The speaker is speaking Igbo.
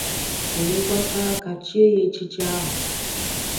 wee gbakọọ aka chie ya echichi ahụ.